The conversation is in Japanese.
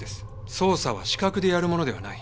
捜査は資格でやるものではない。